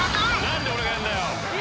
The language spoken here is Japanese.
何で俺がやんだよ！